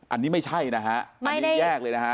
อันนี้ไม่ใช่นะฮะอันนี้แยกเลยนะฮะ